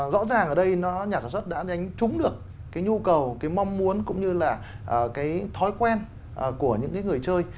rõ ràng ở đây nhà sản xuất đã đánh trúng được cái nhu cầu cái mong muốn cũng như là cái thói quen của những người chơi